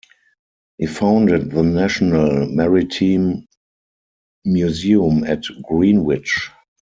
He founded the National Maritime Museum at Greenwich.